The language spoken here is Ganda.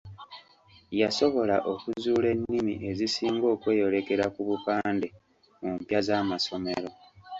Yasobola okuzuula ennimi ezisinga okweyolekera ku bupande mu mpya z'amasomero.